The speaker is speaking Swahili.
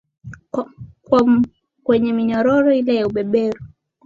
kwa kwenye minyororo ile ya ubeberu